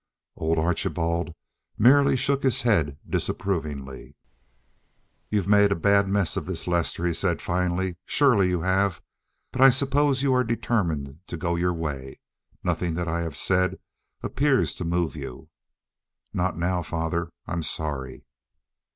Old Archibald merely shook his head disapprovingly. "You've made a bad mess of this, Lester," he said finally. "Surely you have. But I suppose you are determined to go your way. Nothing that I have said appears to move you." "Not now, father. I'm sorry."